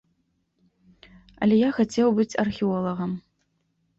Але я хацеў быць археолагам.